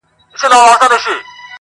زموږ پر زخمونو یې همېش زهرپاشي کړې ده.